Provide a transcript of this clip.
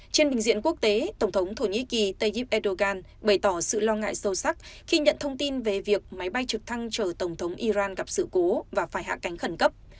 trên bình diện quốc tế tổng thống thổ nhĩ kỳ tayyip erdogan bày tỏ sự lo ngại sâu sắc khi nhận thông tin về việc máy bay trực thăng chở tổng thống iran gặp sự cố và phải hạ cánh khẩn cấp